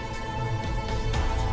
kasian tahu keatna